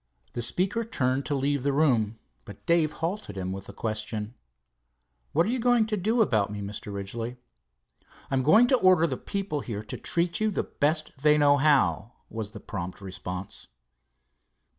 The speaker turned to leave the room, but Dave halted him with the question: "What are you going to do about me, Mr. Ridgely?" "I am going to order the people here to treat you the best they know how," was the prompt response.